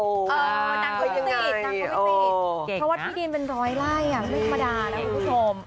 เออดังความติดยังไงโอ้ยเก่งนะเพราะว่าพี่ดินเป็นร้อยไล่อย่างธรรมดานะคุณผู้ชม